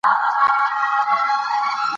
په مېلو کښي خلک له بېلابېلو سیمو څخه راټولیږي.